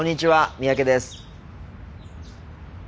三宅です。